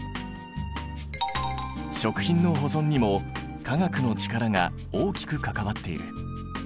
食品の保存にも化学の力が大きく関わっている。